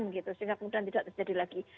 sehingga kemudian tidak terjadi lagi